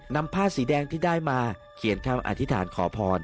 นำผ้าสีแดงที่ได้มาเขียนคำอธิษฐานขอพร